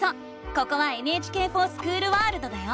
ここは「ＮＨＫｆｏｒＳｃｈｏｏｌワールド」だよ！